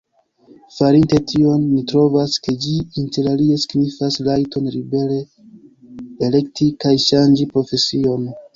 Farinte tion, ni trovas, ke ĝi interalie signifas rajton libere elekti kaj ŝanĝi profesion.